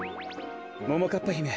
ももかっぱひめ